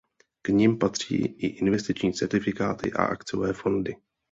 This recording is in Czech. K nim patří i investiční certifikáty a akciové fondy.